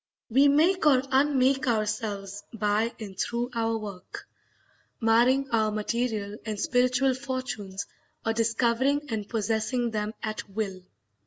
We make or unmake ourselves by and through our work; marring our material and spiritual fortunes or discovering and possessing them at will.